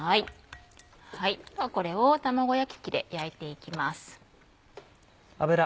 ではこれを卵焼き器で焼いていきます。